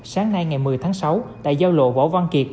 sáng nay ngày một mươi tháng sáu tại giao lộ võ văn kiệt